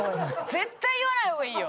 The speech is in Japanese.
絶対言わない方がいいよ。